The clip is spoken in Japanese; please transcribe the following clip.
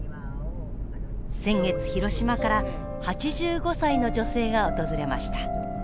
先月広島から８５歳の女性が訪れました。